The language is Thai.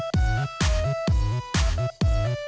ตรงนี้